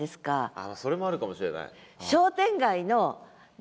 ああそれもあるかもしれない。